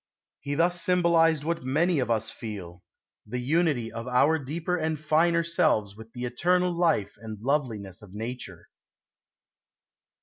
He thus symbolized what many of us feel the unity of our deeper and finer selves with the eternal life and loveliness of nature.